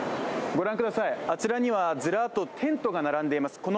ご覧ください、あちらにはずらっとテントが並んでいます。